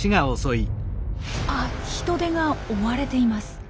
あヒトデが追われています！